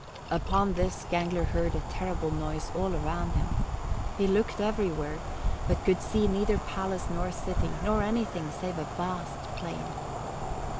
Upon this Gangler heard a terrible noise all around him: he looked everywhere, but could see neither palace nor city, nor anything save a vast plain.